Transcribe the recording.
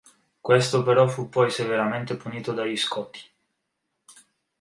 Questo però fu poi severamente punito dagli Scoti.